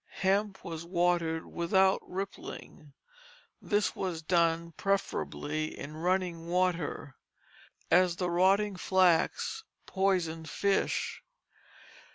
Hemp was watered without rippling. This was done preferably in running water, as the rotting flax poisoned fish.